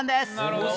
なるほど。